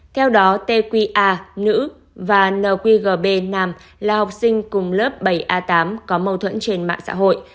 theo đó tqa nữ và nqgb nam là học sinh cùng lớp bảy a tám có mâu thuẫn trên mạng xã hội